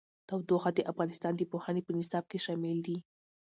تودوخه د افغانستان د پوهنې په نصاب کې شامل دي.